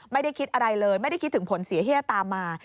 ไม่ได้คิดอะไรเลยไม่ได้คิดถึงผลเสียที่จะตามมา